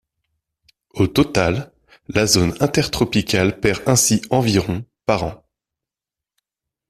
Au total, la zone intertropicale perd ainsi environ par an.